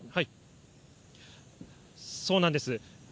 そうなんです。